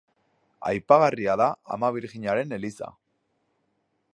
Aipagarria da Ama Birjinaren eliza.